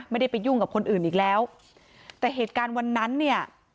ไม่ได้ไปยุ่งกับคนอื่นอีกแล้วแต่เหตุการณ์วันนั้นเนี่ย